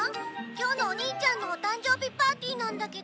今日のお兄ちゃんのお誕生日パーティーなんだけど」